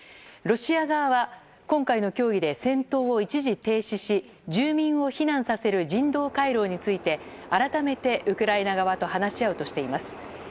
ロシア側は今回の協議で戦闘を一時停止し住民を避難させる人道回廊について改めてウクライナ側と話し合うとしています。